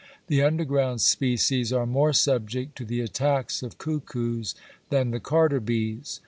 The underground species are more subject to the attacks of cuckoos than the carder bees.